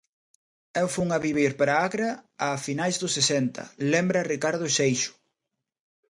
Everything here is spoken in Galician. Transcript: Eu fun a vivir para a Agra a finais dos sesenta, lembra Ricardo Seixo.